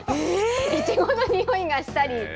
いちごの匂いがしたり。